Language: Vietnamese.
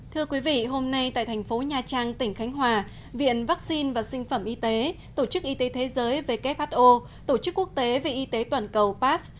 thưa quý vị hôm nay tại thành phố nha trang tỉnh khánh hòa viện vaccine và sinh phẩm y tế tổ chức y tế thế giới who tổ chức quốc tế về y tế toàn cầu pass